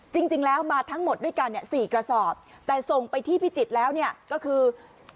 จริงแล้วมาทั้งหมดด้วยกันเนี่ย๔กระสอบแต่ส่งไปที่พิจิตรแล้วเนี่ยก็คือ